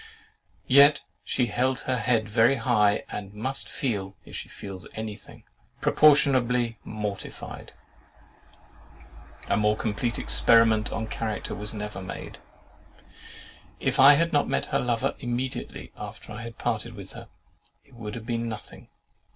Yet she held her head very high, and must feel (if she feels any thing) proportionably mortified.—A more complete experiment on character was never made. If I had not met her lover immediately after I parted with her, it would have been nothing.